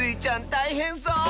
たいへんそう！